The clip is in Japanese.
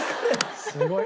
すごい。